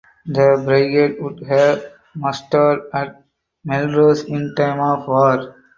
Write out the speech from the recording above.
The brigade would have mustered at Melrose in time of war.